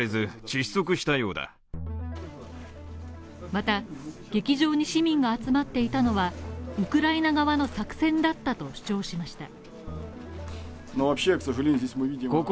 また、劇場に市民が集まっていたのはウクライナ側の作戦だったと主張しました。